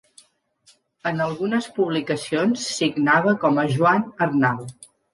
En algunes publicacions signava com a Joan Arnal.